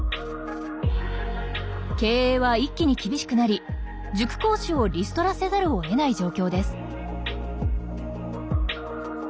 経営は一気に厳しくなり塾講師をリストラせざるをえない状況です。